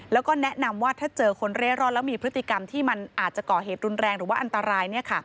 แล้วก็แนะนำว่าถ้าเจอคนเร่ร่อนแล้วมีพฤติกรรมที่มันอาจจะก่อเหตุรุนแรงหรือว่าอันตราย